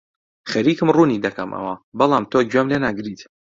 خەریکم ڕوونی دەکەمەوە، بەڵام تۆ گوێم لێ ناگریت.